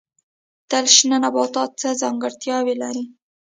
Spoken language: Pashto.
تل شنه نباتات څه ځانګړتیا لري؟